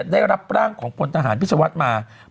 ได้รับร่างของพลทหารพิศวัฒน์มา